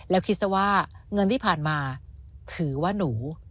แล้วคิดซะว่าเงินที่ผ่านมาถือว่าหนู